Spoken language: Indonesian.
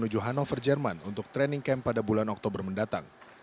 menuju hannover jerman untuk training camp pada bulan oktober mendatang